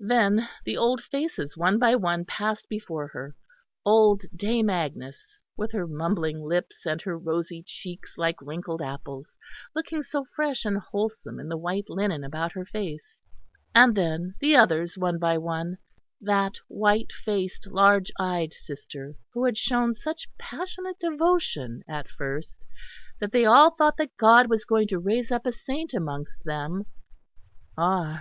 Then the old faces one by one passed before her; old Dame Agnes with her mumbling lips and her rosy cheeks like wrinkled apples, looking so fresh and wholesome in the white linen about her face; and then the others one by one that white faced, large eyed sister who had shown such passionate devotion at first that they all thought that God was going to raise up a saint amongst them ah!